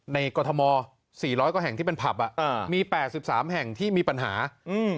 กรทมสี่ร้อยกว่าแห่งที่เป็นผับอ่ะอ่ามีแปดสิบสามแห่งที่มีปัญหาอืม